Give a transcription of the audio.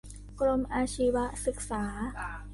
กรมอาชีวศึกษา